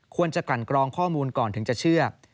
กลั่นกรองข้อมูลก่อนถึงจะเชื่อ